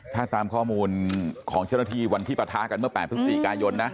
ถ้าตามข้อมูลของเชษฐธีวันที่ประท้ากันเมื่อ๘พฤษฐีกายน